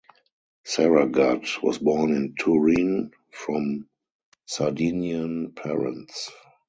Saragat was born in Turin, from Sardinian parents.